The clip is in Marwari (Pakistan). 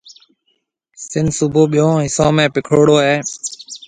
سنڌ صوبو ٻيون حصون ۾ پِکڙوڙو ھيَََ